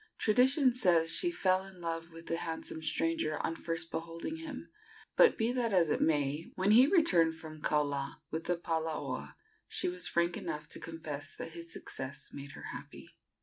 Tradition says she fell in love with the handsome stranger on first beholding him; but be that as it may, when he returned from Kaula with the palaoa she was frank enough to confess that his success had made her happy.